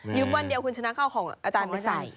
วันเดียวคุณชนะก็เอาของอาจารย์มาใส่